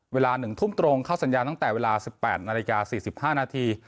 เวลา๑ทุ่มตรงเข้าสัญญาตั้งแต่เวลา๑๘นาฬิกา๔๕นาที